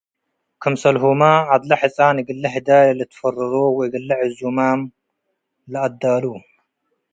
ክምሰልሁመ፣ ዐድለ ሕጻን እግለ ህዳይ ለልትፈረሮ ወእግለ ዕዙማም ለአትዳሉ ።